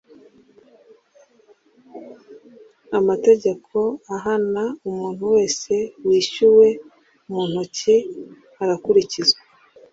amategeko ahana umuntu wese wishyuwe munoki arakurikizwa